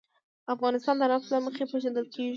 افغانستان د نفت له مخې پېژندل کېږي.